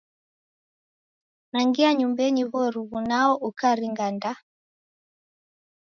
Nangia nyumbenyi w'oruw'u nao ikaringa ndaa!